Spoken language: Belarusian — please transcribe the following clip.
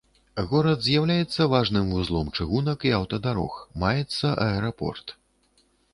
Горад з'яўляецца важным вузлом чыгунак і аўтадарог, маецца аэрапорт.